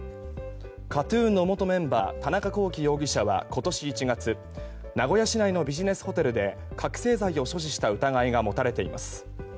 ＫＡＴ‐ＴＵＮの元メンバー田中聖容疑者は今年１月、名古屋市内のビジネスホテルで覚醒剤を所持した疑いが持たれています。